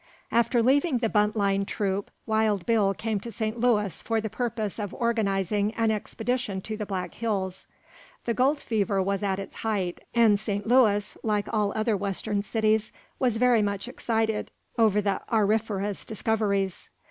After leaving the Buntline troupe, Wild Bill came to St. Louis for the purpose of organizing an expedition to the Black Hills. The gold fever was at its height, and St. Louis, like all other Western cities, was very much excited over the auriferous discoveries.